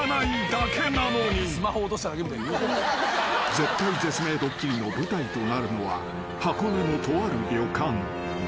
［絶体絶命ドッキリの舞台となるのは箱根のとある旅館］